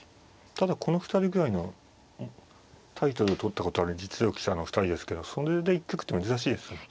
ただこの２人ぐらいのタイトル取ったことある実力者の２人ですけどそれで一局って珍しいですね。